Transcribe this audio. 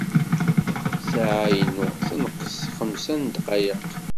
Ssaεa-inu tenqes s xemsa n ddqayeq.